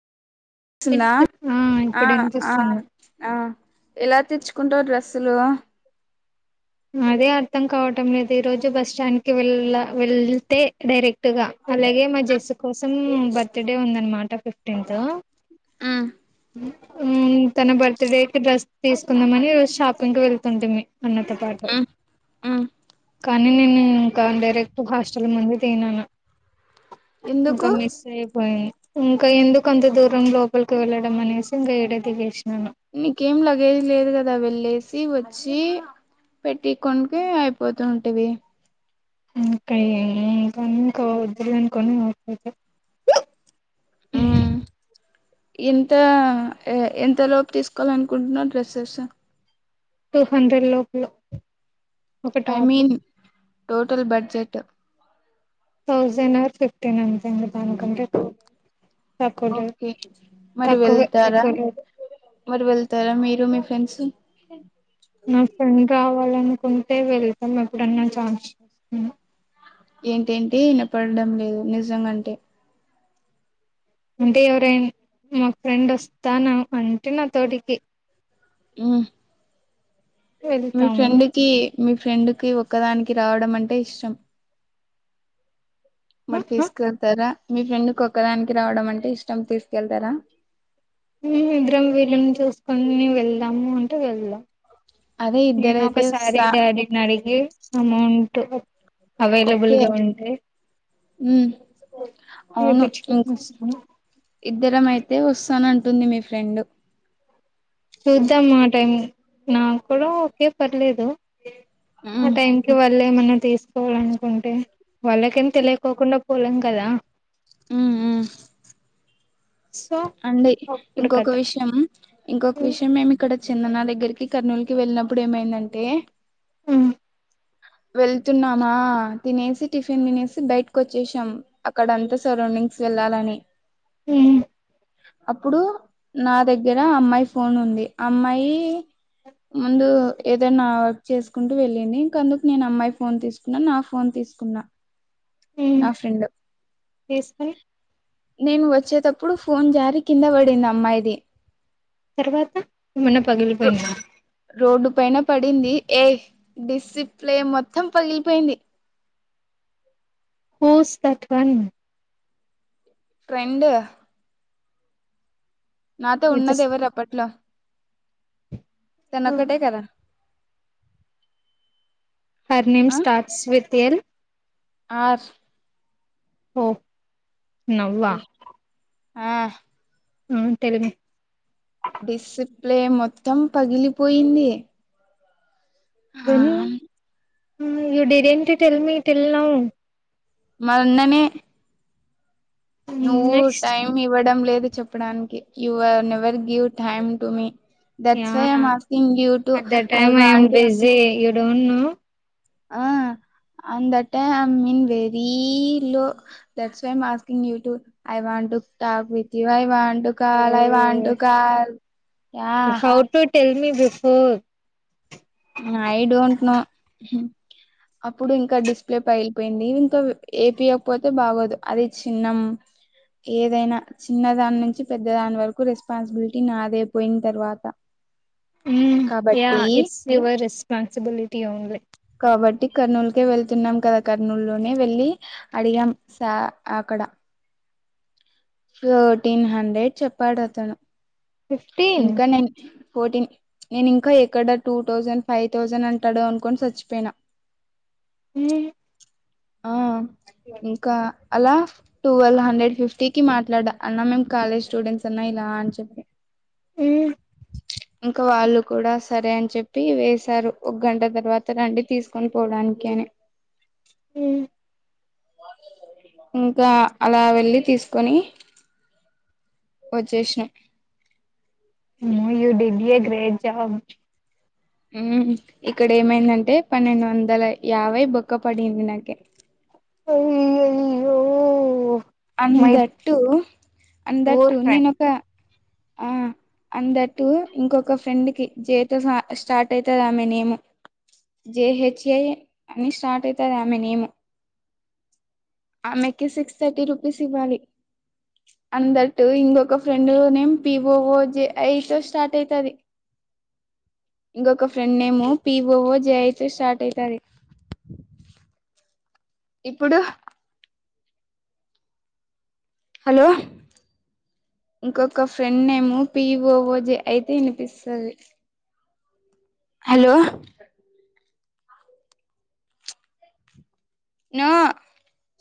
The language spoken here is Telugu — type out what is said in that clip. వచ్చిందా వినిపి ఆ ఇప్పుడు ఆ వినిపిస్తుంది ఆ ఎలా తెచ్చుకుంటావ్ డ్రెస్సులు అదే అర్థం కావడం లేదు ఈ రోజు బస్ స్టాండ్ కి వెళ్ళ వెళ్తే డైరెక్ట్ గుర్తుగా అలాగే మా జస్సు కోసం బర్త్ డే ఉందనమాట ఫిఫ్టీన్త్ ఉ తన బర్త్ డేకి డ్రెస్ తీసుకుందామని ఈ రోజు షాపింగ్ వెళ్తుంటీమీ అన్నతో పాటు కానీ నేను ఇంకా డైరెక్ట్ హాస్టల్ ముందు దిగినాను ఇంకా ఎందుకు మిస్ అయిపోయాయే ఇంకా ఎందుకు అంతా దూరం లోపల్ కి వెళ్ళడం అనేసి ఇంకా ఏడే దిగేసినాను నీకేం లగేజ్ లేదు కదా వెళ్ళసి వచ్చి పెట్టికొంటె అయిపోతుంటది ఇంకా ఏ [unintelligible] అనుకనితే ఉ మ్మ్ ఎంత ఎంత లోపు తీసుకోవాల అనుకుంటున్న డ్రెస్సెస్ టూ హండ్రెడ్ లోపు లో I mean total budget thousand or fifteen అంతే అండి దానికంటే తక్కువ లేదు ఓకే మరి తక్కువే వెళ్తారా ఎక్కువ లేదు మరి వెళ్తారా మీరు మీ ఫ్రెండ్స్ నా ఫ్రెండ్ రావాలనుకుంటే వెళ్తాం ఎప్పుడన్నా ఛాన్స్ ఏంటేంటి వినపడడం లేదు నిజంగా అంటే ఎవరైనా మా ఫ్రెండ్ వస్తాను అంటే నా తోటి ఉ మీ వెళ్తాము ఫ్రెండ్ కి మీ ఫ్రెండ్ కి ఒక్కదానికి రావడం అంటే ఇష్టం మరి ఆహా, తీసుకెళ్తారా మీ ఫ్రెండ్ కు ఒక్కదానికి రావడం అంటే ఇష్టం తీసుకెళ్తారా ఇద్దరం వీలుని చూసుకుని వెళ్దాము అంటే వెళ్దాం అదే నేను ఇద్దరైతే ఒకసారి వస్తా డాడీని అడిగి అమౌంట్ ఓకే అవైలబుల్గా ఉంటే ఉమ్ అవును ఇం ఏపిచ్చుకొని వస్తా ఇద్దరం అయితే వస్తాను అంటుంది మీ ఫ్రెండ్ చూద్దాం ఆ టైం నాకు కూడా ఒకే పర్లేదు ఆ ఉమ్ టైం వాళ్ళ ఏమన్నా తీసుకోవాలనుకుంటే వాళ్ళకేనా తెలియకోకుండా పోలేం కదా ఉమ్ ఉ సో అండి అప్పుడు ఇంకొక కథ విషయం ఇంకొక ఉమ్, విషయం మేము ఇక్కడ చందనా దగ్గరకి కర్నూలుకిి వెళ్ళినప్పుడు ఏమైందంటే హు వెళ్తున్నామా తినేసి టిఫిన్ తినేసి బయటకు వచ్చేసాం అక్కడ అంతా సరౌండింగ్స్ వెళ్లాలని ఉ అప్పుడు నా దగ్గర అమ్మాయి ఫోన్ ఉంది అమ్మాయి ముందు ఏదైనా వర్క్ చేసుకుంటూ వెళ్ళింది ఇంకందుకు నేను అమ్మాయి ఫోన్ తీసుకు న్న నా ఫోన్ తీసుకున్న ఉమ్ నా ఫ్రెండ్ తీసుకొని నేను వచ్చేతప్పుడు ఫోన్ జారి కింద పడింది అమ్మాయిది తర్వాత ఏమన్నా రో పగిలిపోయిందా రోడ్డు పైన పడింది ఏ డిసిప్లే మొత్తం పగిలిపోయింది హూస్ థాట్ వన్ ఫ్రెండ్ నాతో విత్ ఉన్నది ఎవరు అప్పట్లో తను ఒకటే కదా హర్ నేమ్ ఆ starts with A R O now A ah ఆ ఉమ్ టెల్ డిసిప్లే మొత్తం పగిలిపోయింది ఆ కాని you didn't tell me till now మన్ననే నువ్వు నెక్స్ట్ టైమ్ ఇవ్వడం లేదు చెప్పడానికి you are never give time to me that's yeah my I am asking you to I want to J you don't know ah on that time I'm very low that's why asking you to I want to talk with I want you call I want call yeah how to tell me before I don't know అప్పుడు ఇంకా డిస్ప్లే పగిలిపోయింది ఇంకా ఏపీయకపోతే బాగోదు అది చిన్నం ఏదైనా చిన్న దాని నుంచి పెద్ద దాని వరకు రెస్పాన్సిబిలిటీ నాదైపోయిన తర్వాత యా కాబట్టి ఇట్స్ యువర్ రెస్పాన్సిబిలిటీ ఓన్లీ కాబట్టి కర్నూలుకే వెళ్తున్నాం కదా కర్నూలు లోనే వెళ్ళి అడిగాం సా అక్కడ ఫోర్టీన్ హండ్రెడ్ చెప్పాడు అతను ఇంకా నేను ఫోర్టీన్ నేను ఇంకా ఎక్కడ టూ థౌసండ్ ఫైవ్ థౌసండ్ అంటాడో అనుకోని చచ్చిపోయినా ఉమ్ ఆ ఇంకా అలా టువెల్వ్ హండ్రెడ్ ఫిఫ్టీ కి మాట్లాడ అన్నా మేము కాలేజ్ స్టూడెంట్స్ అన్నా ఇలా అని చెప్పి ఉమ్ ఇంకా వాళ్ళు కూడా సరే అని చెప్పి వేశారు ఒక గంట తర్వాత రండి తీసుకు తీసుకొని పోవడానికి ఉమ్ ఇంకా అలా వెళ్ళి తీసుకొని వచ్చేసినం new you did a great job ఉమ్ ఇక్కడ ఏమైందంటే పన్నెండు వందల యాభై బోక్క పడింది నాకే అయ్యయ్యో ఆన్ ధటు ఆన్ ధటు నేనొక అ ఆన్ ధటు ఇంకొక ఫ్రెండ్ కి జై తో స్టార్ట్ అవుతుది ఆమె నేము జేహెచ్ఏ అని స్టార్ట్ అయితది ఆమె నేమ్ ఆమెకి సిక్స్ థర్టీ రుపీస్ ఇవ్వాలి ఆన్ దట్టు ఇంకొక ఫ్రెండ్ నేమ్ పివోవో జై ఐ తో స్టార్ట్ అవుతది ఇంకొక ఫ్రెండ్ నేము పివఓ జే ఐ తో స్టార్ట్ అయితాది ఇప్పుడు హలో ఇంకొక ఫ్రెండ్ నేమ్ పివోవో జై ఐ అయితే వినిపిస్తది హలో నా